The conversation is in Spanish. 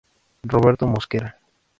Roberto Mosquera